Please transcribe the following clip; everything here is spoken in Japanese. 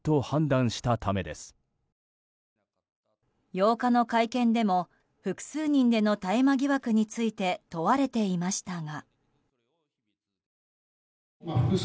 ８日の会見でも複数人での大麻疑惑について問われていましたが。